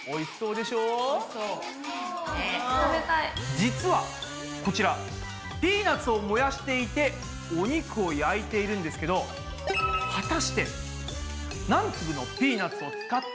実はこちらピーナツを燃やしていてお肉を焼いているんですけど果たして何粒のピーナツを使って燃やしていると思いますか？